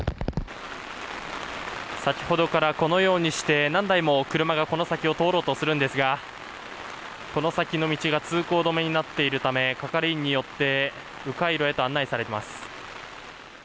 先ほどからこのようにして何台も車がこの先を通ろうとするんですがこの先の道が通行止めになっているため係員によって迂回路へ案内されています。